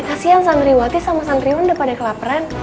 kasian sandriwati sama sandriwan udah pada kelaparan